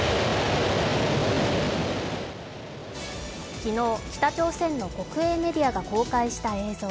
昨日、北朝鮮の国営メディアが公開した映像。